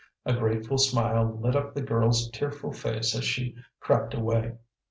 A grateful smile lit up the girl's tearful face as she crept away.